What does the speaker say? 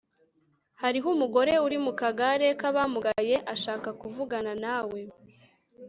Hariho umugore uri mu kagare kabamugaye ashaka kuvugana nawe